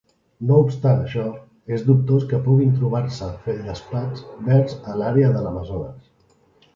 No obstant això, és dubtós que puguin trobar-se feldespats verds a l'àrea de l'Amazones.